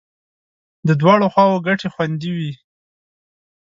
د دواړو خواو ګټې خوندي وې.